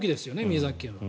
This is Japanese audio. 宮崎県は。